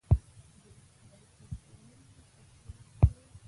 بالاحصارونه په هر ښار کې وو